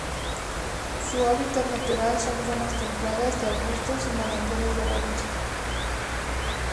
Su hábitat natural son zonas templadas de arbustos y manantiales de agua dulce.